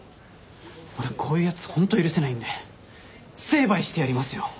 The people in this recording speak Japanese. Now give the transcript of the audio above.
俺こういうやつホント許せないんで成敗してやりますよ。